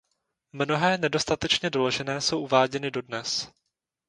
Mnohé nedostatečně doložené jsou uváděny dodnes.